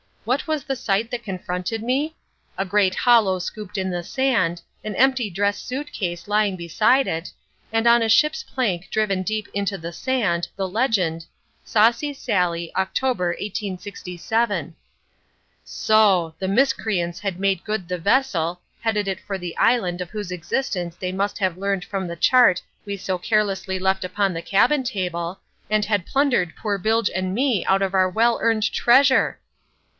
What was the sight that confronted me? A great hollow scooped in the sand, an empty dress suit case lying beside it, and on a ship's plank driven deep into the sand, the legend, "Saucy Sally, October, 1867." So! the miscreants had made good the vessel, headed it for the island of whose existence they must have learned from the chart we so carelessly left upon the cabin table, and had plundered poor Bilge and me of our well earned treasure!